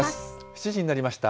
７時になりました。